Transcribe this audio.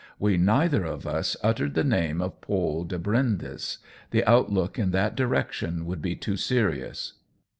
We neither of us uttered the name of Paule de Brindes — the outlook in that direction would be too serious.